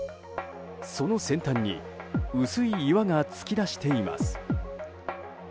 その先端に薄い岩が突き出しています。